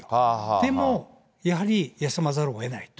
でもやはり、休まざるをえないと。